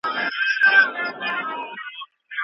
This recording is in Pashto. زما ښکلې لمسۍ مُنانۍ